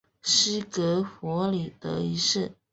西格弗里德一世。